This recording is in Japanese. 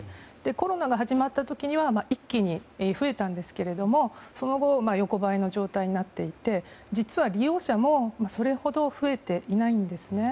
コロナが始まった時には一気に増えたんですがその後横ばいの状態になっていて実は、利用者もそれほど増えていないんですね。